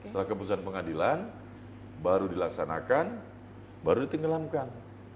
setelah keputusan pengadilan baru dilaksanakan baru ditenggelamkan